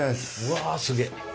わすげえ。